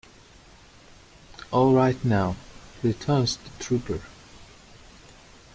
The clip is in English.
"All right now," returns the trooper.